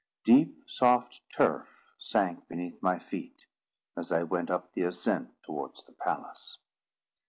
Deep soft turf sank beneath my feet, as I went up the ascent towards the palace.